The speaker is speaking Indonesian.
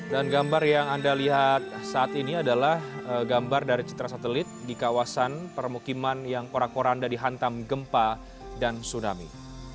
dan gambar yang anda lihat saat ini adalah gambar dari citra satelit di kawasan permukiman yang korak korak anda dihantam gempa dan tsunami